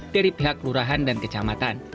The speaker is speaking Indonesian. dari pihak lurahan dan perusahaan